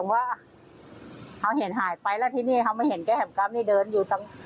ว่าเขาเห็นหายไปแล้วที่นี่เขาไม่เห็นแก้แห่มกำนี่เดินอยู่ตรง